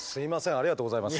ありがとうございます。